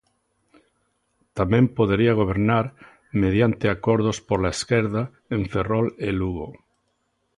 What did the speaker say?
Tamén podería gobernar mediante acordos pola esquerda en Ferrol e Lugo.